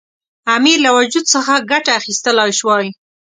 امیر له وجود څخه ګټه اخیستلای شوای.